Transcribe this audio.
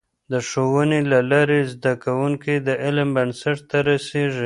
د ښوونې له لارې، زده کوونکي د علم بنسټ ته رسېږي.